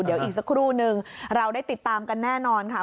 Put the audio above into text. เดี๋ยวอีกสักครู่นึงเราได้ติดตามกันแน่นอนค่ะ